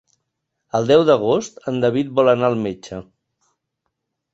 El deu d'agost en David vol anar al metge.